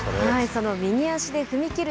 その右足で踏み切る